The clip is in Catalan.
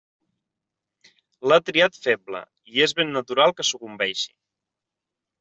L'ha triat feble; i és ben natural que sucumbeixi.